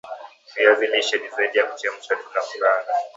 viazi lishe ni zaidi ya kuchemsha tu na kukaanga